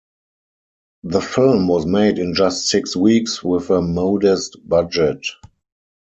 The film was made in just six weeks with a modest budget.